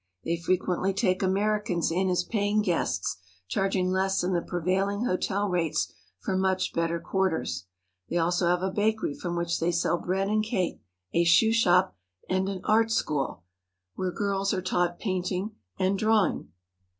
They frequently take Americans in as paying guests, charging less than the prevailing hotel rates for much better quarters. They also have a bakery from which they sell bread and cake; a shoe shop, and an art school, where girls are taught painting and drawing.